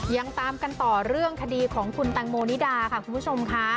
ยังตามกันต่อเรื่องคดีของคุณแตงโมนิดาค่ะคุณผู้ชมค่ะ